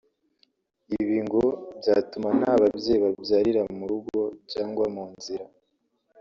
ibi ngo byatuma nta babyeyi babyarira mu rugo cyangwa mu nzira